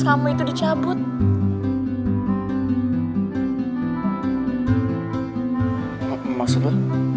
kamu jangan kaya gitu